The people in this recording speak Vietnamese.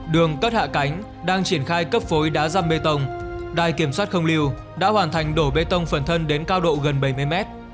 đường cất hạ cánh đang triển khai cấp phối đá răm bê tông đài kiểm soát không lưu đã hoàn thành đổ bê tông phần thân đến cao độ gần bảy mươi mét